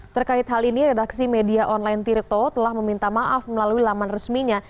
terkait hal ini redaksi media online tirto telah meminta maaf melalui laman resminya